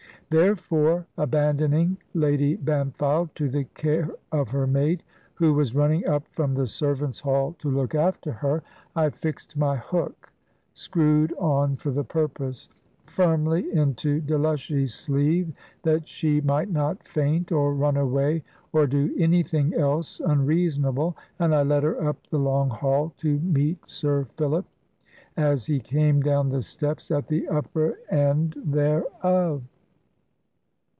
Therefore, abandoning Lady Bampfylde to the care of her maid, who was running up from the servants' hall to look after her, I fixed my hook (screwed on for the purpose) firmly into Delushy's sleeve, that she might not faint, or run away, or do anything else unreasonable, and I led her up the long hall to meet Sir Philip, as he came down the steps at the upper end thereof.